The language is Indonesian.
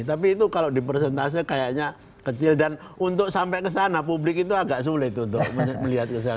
tapi itu kalau di persentase kayaknya kecil dan untuk sampai ke sana publik itu agak sulit untuk melihat gejala